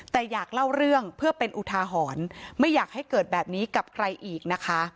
แต่อยากเล่าเรื่องเพื่อเป็นอุทาหรณ์ไม่อยากให้เกิดแบบนี้กับใครอีกนะคะ